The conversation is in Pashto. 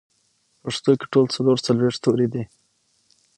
پښتو کې ټول څلور څلوېښت توري دي